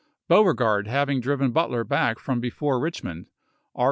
Beaui egard having driven Butler back from before Richmond, R.